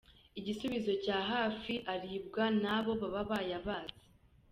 Igisubizo cya hafi aribwa n’abo baba bayabatse.